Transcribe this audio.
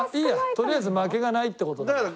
とりあえず負けがないって事だから。